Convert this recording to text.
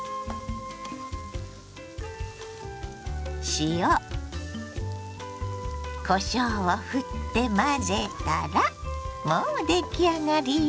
塩こしょうをふって混ぜたらもう出来上がりよ。